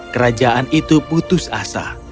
kerajaan itu putus asa